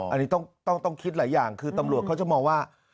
อันนี้ต้องคิดหลายอย่างคือตำรวจเขาจะมองว่า